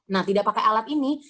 nah tidak pakai alat ini